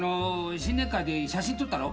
新年会で写真撮ったろ？